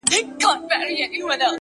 ماته د خپل د زړه آواز راورسيږي;